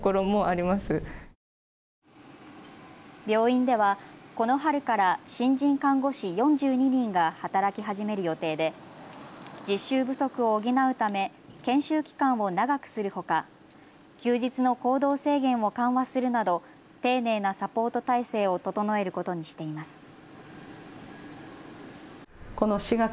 病院ではこの春から新人看護師４２人が働き始める予定で実習不足を補うため研修期間を長くするほか休日の行動制限を緩和するなど丁寧なサポート体制を整えることにしています。